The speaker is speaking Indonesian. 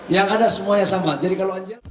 yang ada semuanya sama